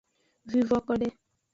Vuvo kode.